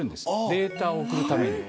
データを送るために。